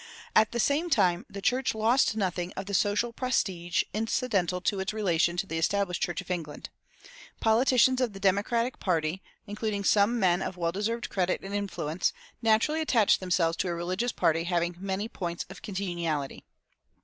At the same time their church lost nothing of the social prestige incidental to its relation to the established Church of England. Politicians of the Democratic party, including some men of well deserved credit and influence, naturally attached themselves to a religious party having many points of congeniality.